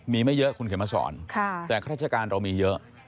มีไม่เยอะคุณเขียนมาสอนแต่ข้าราชการเรามีเยอะ